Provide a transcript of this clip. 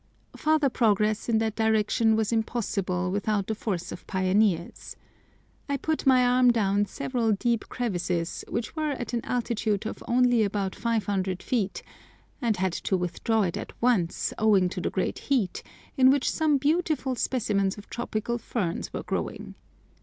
Farther progress in that direction was impossible without a force of pioneers. I put my arm down several deep crevices which were at an altitude of only about 500 feet, and had to withdraw it at once, owing to the great heat, in which some beautiful specimens of tropical ferns were growing.